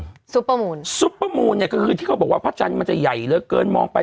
อย่างที่เป็นที่เท่าไหรก็คือที่เขาบอกว่าพระชันมันจะใหญ่เรื่อยเกินมองไป